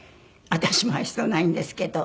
私も愛想ないんですけど。